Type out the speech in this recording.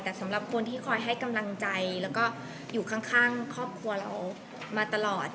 แต่สำหรับคนที่คอยให้กำลังใจแล้วก็อยู่ข้างครอบครัวเรามาตลอด